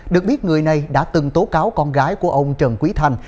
được biết người này đã từng tố cáo con gái của ông trần quý thanh